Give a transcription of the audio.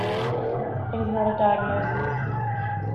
It is not a diagnosis.